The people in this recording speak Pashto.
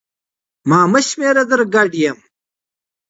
ما مه شمېره در ګډ یم